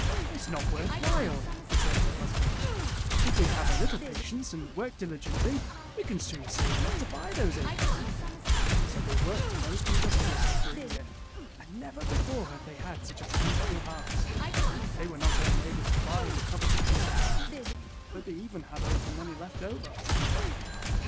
"It's not worth while," returned her hus band. "If we have a little patience and work diligently, we can soon save enough to buy those few acres." So they worked most industriously for a Tales of Modern Germany 107 year, and never before had they had such a plentiful harvest. They were not only able to buy the coveted piece of land, but they even had a little money left over.